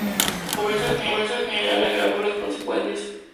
La pobreza general agravó las consecuencias.